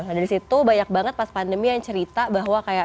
nah dari situ banyak banget pas pandemi yang cerita bahwa kayak